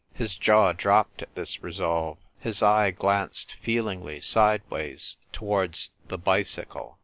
His jaw dropped at this resolve. His eye glanced feelingly sideways towards the bicycle.